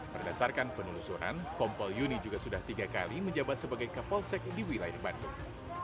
berdasarkan penelusuran kompol yuni juga sudah tiga kali menjabat sebagai kapolsek di wilayah bandung